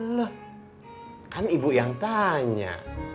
loh kan ibu yang tanya